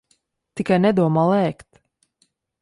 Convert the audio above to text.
Tikai nedomā lēkt.